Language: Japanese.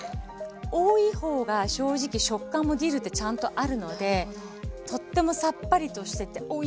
多いほうが正直食感もディルってちゃんとあるのでとってもさっぱりとしてておいしいんですこれ。